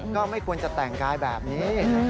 ก็ไม่ควรจะแต่งกายแบบนี้